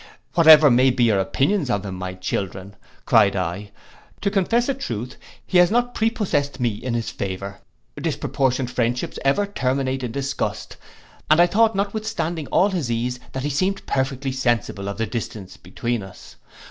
—'Whatever may be your opinions of him, my children,' cried I, 'to confess a truth, he has not prepossest me in his favour. Disproportioned friendships ever terminate in disgust; and I thought, notwithstanding all his ease, that he seemed perfectly sensible of the distance between us.